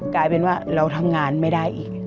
กลายเป็นว่าเราทำงานไม่ได้อีก